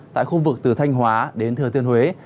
tại khu vực từ thanh hóa đến thừa thiên huế